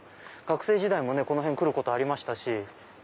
学生時代もこの辺来ることありましたし。